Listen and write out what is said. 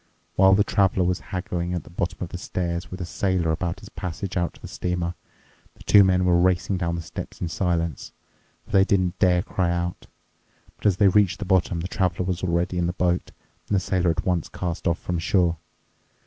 While the Traveler was haggling at the bottom of the stairs with a sailor about his passage out to the steamer, the two men were racing down the steps in silence, for they didn't dare cry out. But as they reached the bottom, the Traveler was already in the boat, and the sailor at once cast off from shore.